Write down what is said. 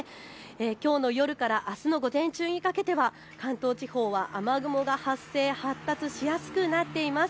きょうの夜からあすの午前中にかけては関東地方は雨雲が発達しやすくなっています。